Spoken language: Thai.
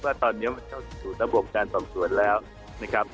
ว่าตอนนี้มันเข้าสู่ระบบการสอบสวนแล้วนะครับ